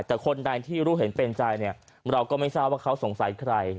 แต่คนใดที่รู้เห็นเป็นใจเนี่ยเราก็ไม่ทราบว่าเขาสงสัยใคร